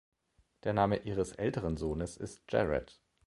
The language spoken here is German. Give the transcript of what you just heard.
Der Name ihres älteren Sohnes ist Jarrett.